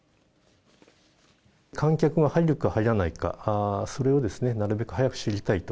観客が入るか入らないか、それをなるべく早く知りたいと。